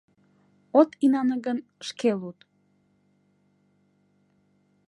От инане гын, шке луд!